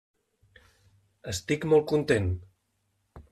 Estic molt content.